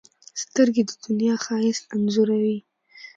سترګې د دنیا ښایست انځوروي